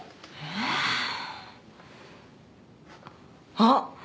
あっ！